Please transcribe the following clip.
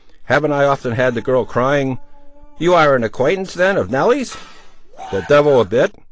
Haven't I often had the girl crying—" "You are an acquaintance, then, of Nelly's?" "The devil a bit.